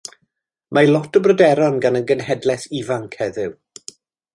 Mae lot o bryderon gan y genhedlaeth ifanc heddiw.